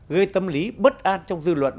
gây tâm lý bất an trong dư luận